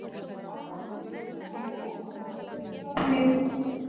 احمد ډېر خیر خوا انسان دی تل د خلکو ویرونه ختموي.